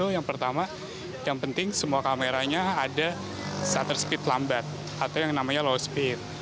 yang pertama yang penting semua kameranya ada shutter speed lambat atau yang namanya low speed